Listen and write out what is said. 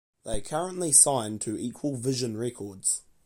They are currently signed to Equal Vision Records.